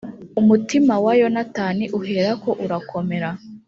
umutima wa yonatani uherako urakomera